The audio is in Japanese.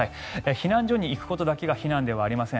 避難所に行くことだけが避難ではありません。